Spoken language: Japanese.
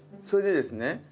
それでですね